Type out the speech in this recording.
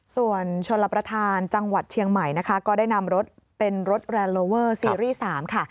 ส่วนชนรับประทานจังหวัดเชียงใหม่นะคะก็ได้นำรถเป็นรถแรนดโลเวอร์ซีรีส์๓ค่ะ